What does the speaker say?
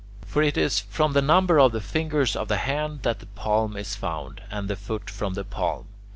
For it is from the number of the fingers of the hand that the palm is found, and the foot from the palm.